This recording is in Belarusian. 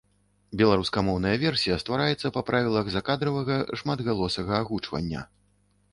Беларускамоўная версія ствараецца па правілах закадравага шматгалосага агучвання.